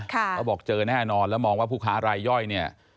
เขาบอกเจอแน่นอนแล้วมองว่าผู้ค้ารายย่อยเนี่ย